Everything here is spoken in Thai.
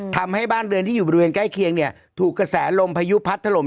ทำให้บ้านเรือนที่อยู่บริเวณใกล้เคียงเนี่ยถูกกระแสลมพายุพัดถล่ม